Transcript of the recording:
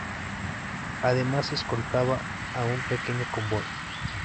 Además, escoltaba a un pequeño convoy.